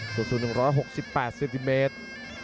สูตรสูตร๑๖๘เซติเมตร